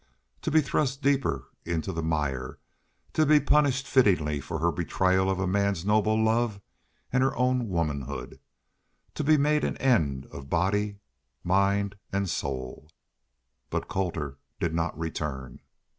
To be thrust deeper into the mire to be punished fittingly for her betrayal of a man's noble love and her own womanhood to be made an end of, body, mind, and soul. But Colter did not return.